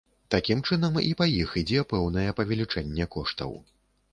Такім чынам, і па іх ідзе пэўнае павелічэнне коштаў.